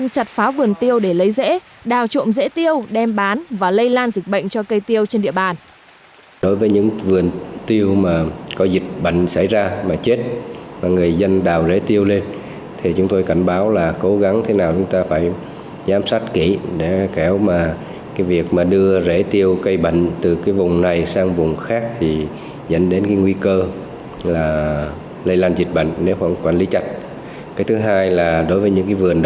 người dân chặt pháo vườn tiêu để lấy rễ đào trộm rễ tiêu đem bán và lây lan dịch bệnh cho cây tiêu trên địa bàn